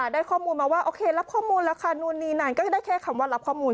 ได้ข้อมูลมาว่าโอเครับข้อมูลราคานู่นนี่นั่นก็จะได้แค่คำว่ารับข้อมูล